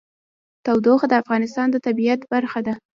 تودوخه د افغانستان د طبیعت برخه ده.